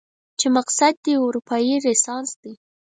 چې مقصد دې اروپايي رنسانس دی؟